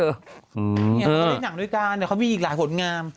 เขาได้หนังด้วยกันแต่เขามีอีกหลายผลงาน